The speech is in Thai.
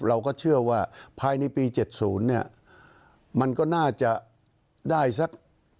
เราก็เชื่อว่าภายในปี๗๐เนี่ยมันก็น่าจะได้สัก